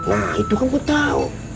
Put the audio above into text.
nah itu kamu tahu